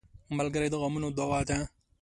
ملګری د غمونو دوا ده.